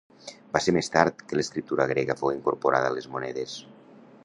Va ser més tard que l'escriptura grega fou incorporada a les monedes.